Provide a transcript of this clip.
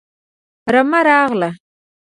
رمه راغله